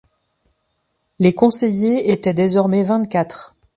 Les conseillers étaient désormais vingt-quatre.